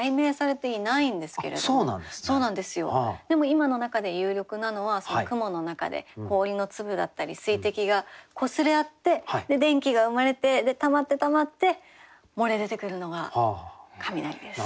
でも今の中で有力なのは雲の中で氷の粒だったり水滴がこすれ合って電気が生まれてたまってたまって漏れ出てくるのが雷です。